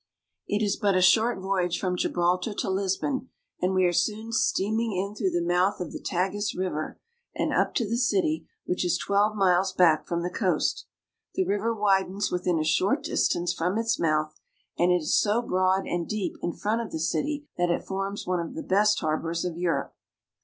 It is but a short voyage from Gibraltar to Lisbon, and we are soon steaming in through the mouth of the Tagus River and up to the city, which is twelve miles back from the coast. The river widens within a short distance from its mouth, and it is so broad and deep in front of the city that it forms one of the best harbors of Europe.